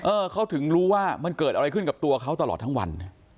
เออเขาถึงรู้ว่ามันเกิดอะไรขึ้นกับตัวเขาตลอดทั้งวัน